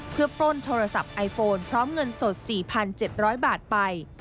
เพื่อปล้นโทรศัพท์ไอโฟนพร้อมเงินสด๔๗๐๐บาทไป